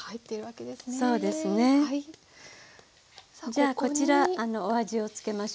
じゃあこちらお味をつけましょうか。